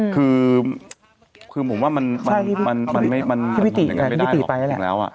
คือผมว่ามันไม่ได้หรอกจริงแล้ว